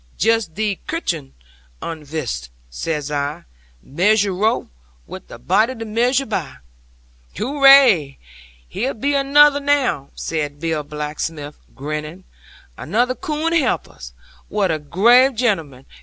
'"Just thee kitch 'un virst," says I; "maisure rope, wi' the body to maisure by." '"Hurrah! here be another now," saith Bill Blacksmith, grinning; "another coom to help us. What a grave gentleman!